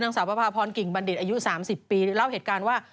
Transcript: สาวประพาพรกิ่งบัณฑิตอายุ๓๐ปีเล่าเหตุการณ์ว่า